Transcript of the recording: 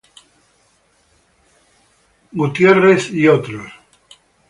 Evans "et al.